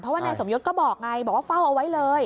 เพราะว่านายสมยศก็บอกไงบอกว่าเฝ้าเอาไว้เลย